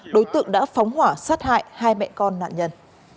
đối tượng đã phóng hỏa sát hại hai mẹ con nạn nhân